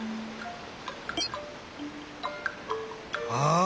ああ！